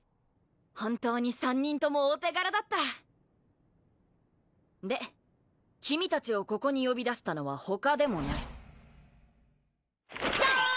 本当に３人ともお手柄だったで君達をここに呼び出したのは他でもないじゃん！